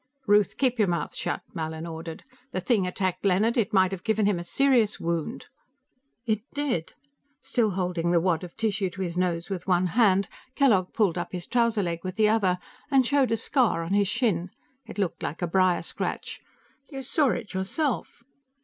"Ruth, keep your mouth shut!" Mallin ordered. "The thing attacked Leonard; it might have given him a serious wound." "It did!" Still holding the wad of tissue to his nose with one hand, Kellogg pulled up his trouser leg with the other and showed a scar on his shin. It looked like a briar scratch. "You saw it yourself."